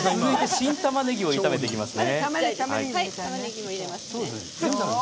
新たまねぎを炒めていきますね。